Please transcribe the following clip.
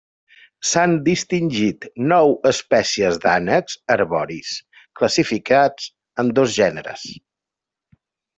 S'han distingit nou espècies d'ànecs arboris, classificats en dos gèneres.